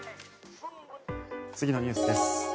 次のニュースです。